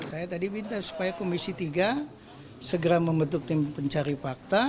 saya tadi minta supaya komisi tiga segera membentuk tim pencari fakta